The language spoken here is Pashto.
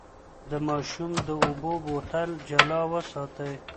د ماشوم د اوبو بوتل جلا وساتئ.